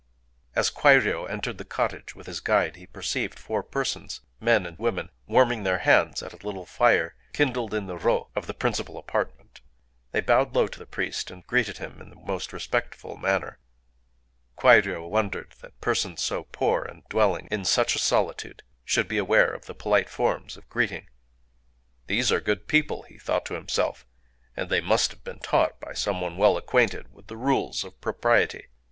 As Kwairyō entered the cottage with his guide, he perceived four persons—men and women—warming their hands at a little fire kindled in the ro of the principle apartment. They bowed low to the priest, and greeted him in the most respectful manner. Kwairyō wondered that persons so poor, and dwelling in such a solitude, should be aware of the polite forms of greeting. "These are good people," he thought to himself; "and they must have been taught by some one well acquainted with the rules of propriety."